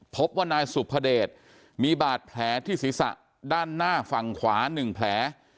พบว่านายสุภเดชมีบาดแผลที่ศีรษะด้านหน้าฝั่งขวา๑แผล